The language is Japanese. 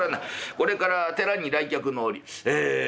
これからは寺に来客の折え